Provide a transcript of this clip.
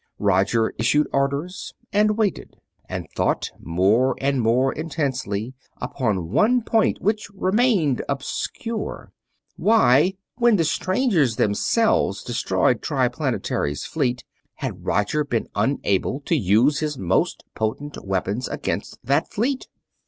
Roger issued orders; and waited; and thought more and more intensely upon one point which remained obscure why, when the strangers themselves destroyed Triplanetary's fleet, had Roger been unable to use his most potent weapons against that fleet?